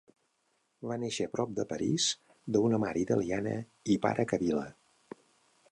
Va néixer prop de París de una mare italiana i pare kabila.